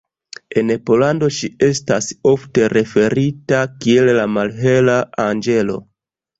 En Pollando, ŝi estas ofte referita kiel "la malhela anĝelo".